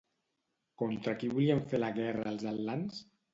Contra qui volien fer la guerra els atlants?